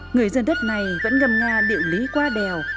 người dân đất này vẫn ngầm nga điệu lý qua đèo